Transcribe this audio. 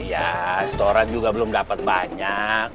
iya storan juga belum dapat banyak